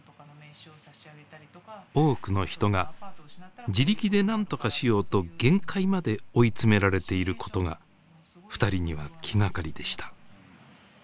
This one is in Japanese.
多くの人が自力で何とかしようと限界まで追い詰められていることがふたりには気がかりでした。